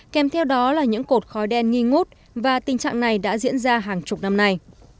kèm theo đó là những cột khói đen nghi ngút và tình trạng này đã diễn ra hàng chục năm nay